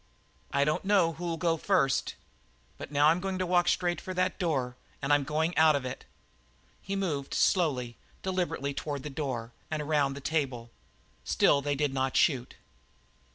"I don't know who'll go first. But now I'm going to walk straight for that door, and I'm going out of it." He moved slowly, deliberately toward the door, around the table. Still they did not shoot.